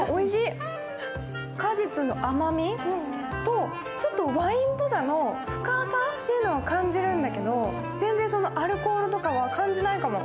果実の甘みとちょっとワインっぽさの深さというのを感じるんだけど全然アルコールとかは感じないかも。